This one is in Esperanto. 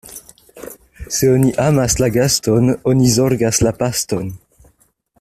Se oni amas la gaston, oni zorgas la paston.